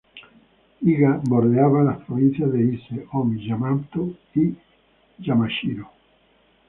Iga bordeaba las provincias de Ise, Ōmi, Yamato, y Yamashiro.